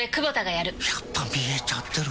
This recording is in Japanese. やっぱ見えちゃてる？